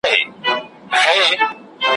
ته وا نه يې له ابليس څخه زوولى ,